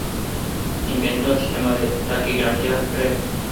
Inventó el sistema de taquigrafía Gregg.